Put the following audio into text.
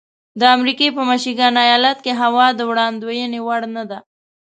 د امریکې په میشیګن ایالت کې هوا د وړاندوینې وړ نه ده.